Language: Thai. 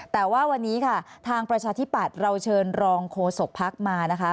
แต่ว่าวันนี้ค่ะทางประชาธิปัตย์เราเชิญรองโฆษกภักดิ์มานะคะ